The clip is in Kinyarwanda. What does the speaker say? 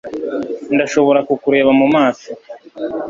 ndashobora kukureba mu maso